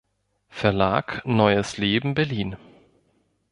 Verlag Neues Leben, Berlin